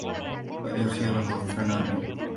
وَآخِرُهَا فَنَاءٌ